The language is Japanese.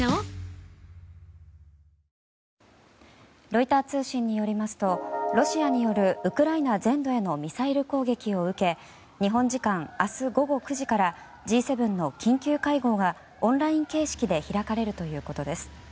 ロイター通信によりますとロシアによるウクライナ全土へのミサイル攻撃を受け日本時間明日午後９時からＧ７の緊急会合がオンライン形式で開かれるということです。